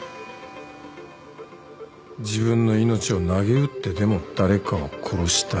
自分の命をなげうってでも誰かを殺したい。